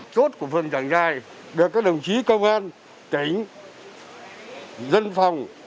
chốt của phương trạng dài được các đồng chí công an tỉnh dân phòng